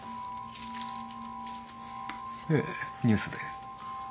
ええニュースで。